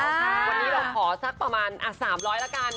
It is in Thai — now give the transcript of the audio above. วันนี้เราขอสักประมาณ๓๐๐ละกัน